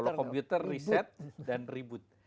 kalau komputer reset dan reboot